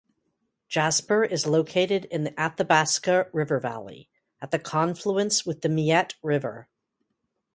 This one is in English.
Jasper is located in the Athabasca River valley, at the confluence with Miette River.